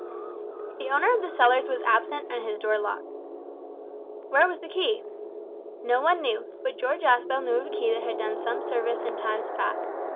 The owner of the cellars was absent and his door locked. Where was the key? No one knew, but George Aspel knew of a key that had done some service in times past.